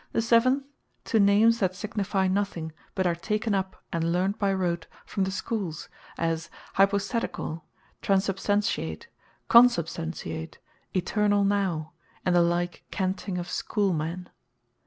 The seventh, to names that signifie nothing; but are taken up, and learned by rote from the Schooles, as Hypostatical, Transubstantiate, Consubstantiate, Eternal now, and the like canting of Schoole men.